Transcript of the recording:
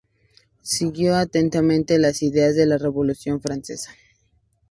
Siguió atentamente las ideas de la Revolución francesa.